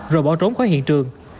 rồi bỏ trốn khỏi hiện trường